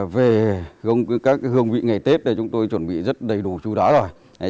về các hương vị ngày tết chúng tôi chuẩn bị rất đầy đủ chú đáo rồi